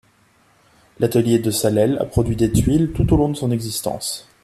L'atelier de Sallèles a produit des tuiles tout au long de son existence.